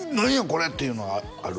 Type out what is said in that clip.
これ」っていうのがある？